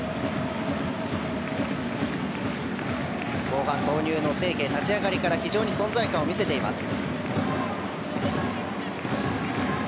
後半投入の清家立ち上がりから非常に存在感を見せています。